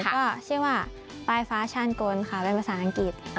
ก็ชื่อว่าปลายฟ้าชาญกลค่ะเป็นภาษาอังกฤษ